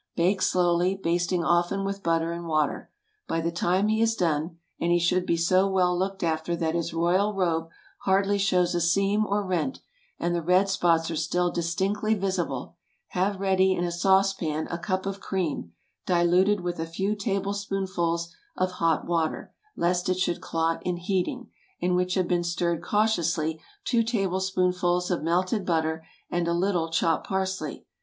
Bake slowly, basting often with butter and water. By the time he is done—and he should be so well looked after that his royal robe hardly shows a seam or rent, and the red spots are still distinctly visible—have ready in a saucepan a cup of cream—diluted with a few spoonfuls of hot water, lest it should clot in heating—in which have been stirred cautiously two tablespoonfuls of melted butter and a little chopped parsley.